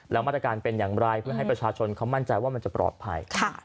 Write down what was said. แล้วมาตรการเป็นอย่างไรเพื่อให้ประชาชนเขามั่นใจว่ามันจะปลอดภัย